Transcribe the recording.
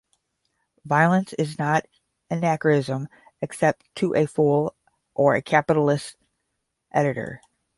Violence is not anarchism except to a fool or a capitalist editor.